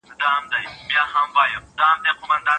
او شعري ارزښت به یې دونه کم وي